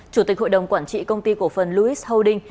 chủ tịch hội đồng quản trị công ty cổ phần lewis holdings